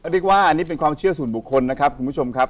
เรียกว่าอันนี้เป็นความเชื่อส่วนบุคคลนะครับคุณผู้ชมครับ